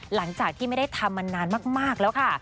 หลังจากที่ไม่ได้ทำมานานมากแล้วค่ะ